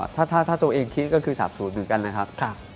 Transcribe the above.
ถ้าตัวเองคิดก็คือสาบศูนย์เหมือนกันนะครับ